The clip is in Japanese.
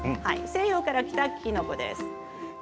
西洋から来たキノコです。